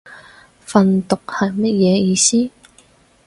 訓讀係乜嘢意思